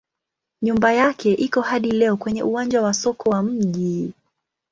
Nyumba yake iko hadi leo kwenye uwanja wa soko wa mji.